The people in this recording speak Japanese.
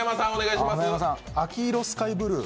秋色スカイブルー？